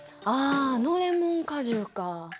あああのレモン果汁か。